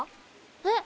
えっ？